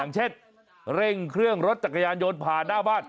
เช่นเร่งเครื่องรถจักรยานยนต์ผ่านหน้าบ้าน